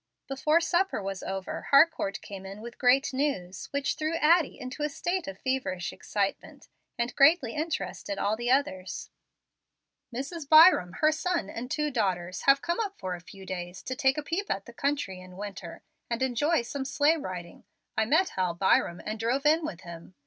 Before supper was over, Harcourt came in with great news, which threw Addie into a state of feverish excitement, and greatly interested all the others. "Mrs. Byram, her son, and two daughters, have come up for a few days to take a peep at the country in winter, and enjoy some sleigh riding. I met Hal Byram, and drove in with him.